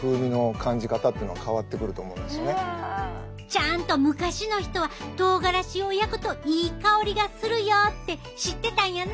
ちゃんと昔の人はとうがらしを焼くといい香りがするよって知ってたんやな。